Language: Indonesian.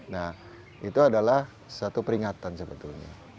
nah itu adalah satu peringatan sebetulnya